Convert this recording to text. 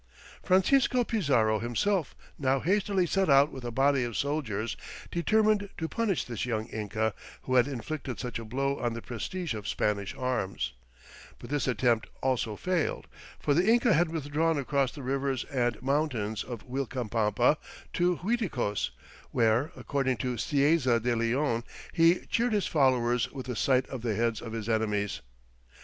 Francisco Pizarro himself now hastily set out with a body of soldiers determined to punish this young Inca who had inflicted such a blow on the prestige of Spanish arms, "but this attempt also failed," for the Inca had withdrawn across the rivers and mountains of Uilcapampa to Uiticos, where, according to Cieza de Leon, he cheered his followers with the sight of the heads of his enemies.